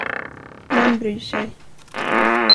Vem bryr sig?